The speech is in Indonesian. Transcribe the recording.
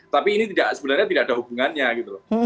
tapi ini sebenarnya tidak ada hubungannya gitu loh